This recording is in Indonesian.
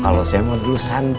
kalau saya mau dulu santai sob